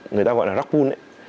người ta gọi là rock pool ấy